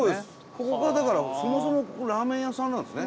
ここが、だから、そもそもここラーメン屋さんなんですね。